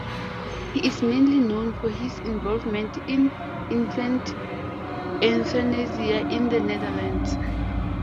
He is mainly known for his involvement in infant euthanasia in the Netherlands.